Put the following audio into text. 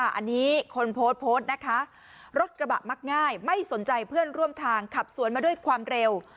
อันนี้คนโพสต์โพสต์นะคะรถกระบะมักง่ายไม่สนใจเพื่อนร่วมทางขับสวนมาด้วยความเร็ว